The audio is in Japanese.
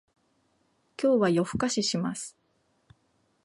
今日は夜更かしします